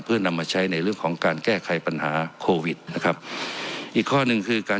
เพื่อนำมาใช้ในเรื่องของการแก้ไขปัญหาโควิดนะครับอีกข้อหนึ่งคือการ